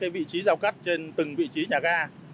vị trí giao cắt trên từng vị trí nhà ga